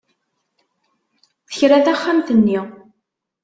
Tekra taxxamt-nni.